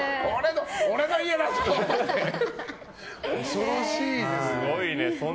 恐ろしいですね。